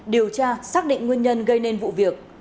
điều tra xác định nguyên nhân gây nên vụ việc